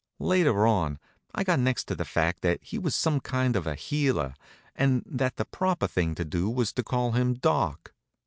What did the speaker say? Later on I got next to the fact that he was some kind of a healer, and that the proper thing to do was to call him Doc.